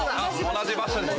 同じ場所です。